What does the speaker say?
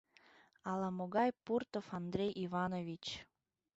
Ала-могай Пуртов Андрей Иванович.